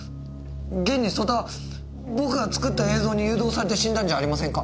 現に曽田は僕が作った映像に誘導されて死んだんじゃありませんか。